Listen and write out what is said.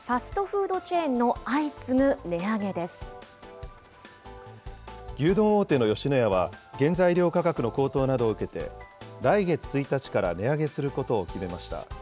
ファストフードチェーンの相次ぐ牛丼大手の吉野家は、原材料価格の高騰などを受けて、来月１日から値上げすることを決めました。